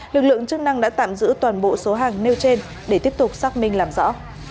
lực lượng chức năng đã tạm giữ toàn bộ số hàng nêu trên để tiếp tục xác minh làm rõ